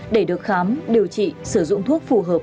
để được khám điều trị sử dụng thuốc phù hợp